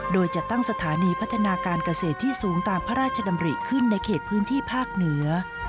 โดยจะตั้งสถานีพัฒนาการเกษตรที่สูงตามพระราชดำริขึ้นในเขตพื้นที่ภาคเหนือ